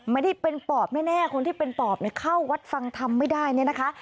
ไม่ได้เป็นปอบแน่คนที่เป็นปอบเนี่ยเข้าวัดฟังธรรมไม่ได้เนี่ยนะคะ